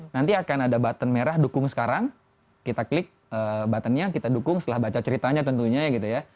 nanti akan ada button merah dukung sekarang kita klik buttonnya kita dukung setelah baca ceritanya tentunya gitu ya